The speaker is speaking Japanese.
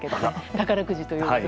宝くじという名の。